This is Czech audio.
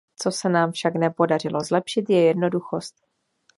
Co se nám však nepodařilo zlepšit, je jednoduchost.